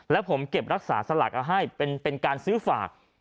แล้วผมเก็บรักษาสลากเอาให้เป็นการซื้อฝาก